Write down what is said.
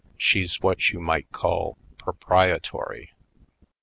She's what you might call proprietory.